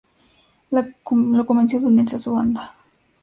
Lo convenció de unirse a su banda.